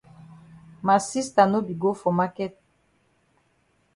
Ma sista no be go for maket.